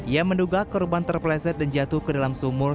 ia menduga korban terpleset dan jatuh ke dalam sumur